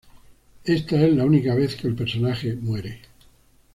Esta es la única vez que el personaje muere.